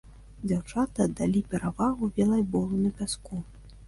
Дзяўчаты аддалі перавагу валейболу на пяску.